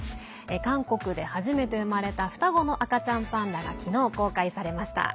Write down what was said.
韓国で初めて生まれた双子の赤ちゃんパンダが昨日、公開されました。